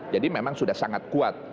jadi memang sudah sangat kuat